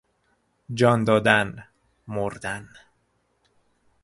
جان دادن، مردن